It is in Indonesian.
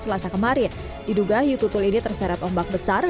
selasa kemarin diduga hip quadrantbye